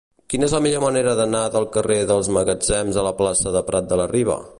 Quina és la millor manera d'anar del carrer dels Magatzems a la plaça de Prat de la Riba?